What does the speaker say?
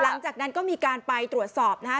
หลังจากนั้นก็มีการไปตรวจสอบนะฮะ